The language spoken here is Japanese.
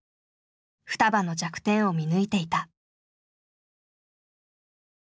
ふたばの弱点を見抜いていた。